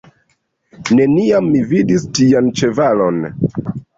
Neniam mi vidis tian ĉevalon!